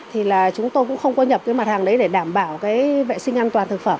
thì là chúng tôi cũng không có nhập cái mặt hàng đấy để đảm bảo cái vệ sinh an toàn thực phẩm